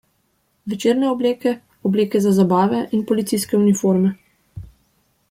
Večerne obleke, obleke za zabave in policijske uniforme.